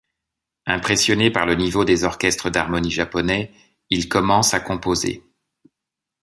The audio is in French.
Impressionné par le niveau des orchestres d'harmonie japonais, il commence à composer.